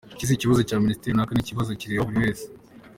Iki si ikibazo cya Minisiteri runaka, ni ikibazo kireba buri wese.